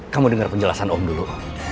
kamu dengar penjelasan om dulu